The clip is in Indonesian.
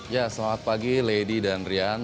ya selamat pagi lady dan rian